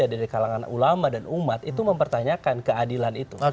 dari kalangan ulama dan umat itu mempertanyakan keadilan itu